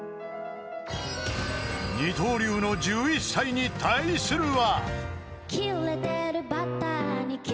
［二刀流の１１歳に対するは］